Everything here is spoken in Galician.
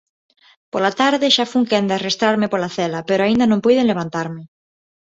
Pola tarde, xa fun quen de arrastrarme pola cela, pero aínda non puiden levantarme.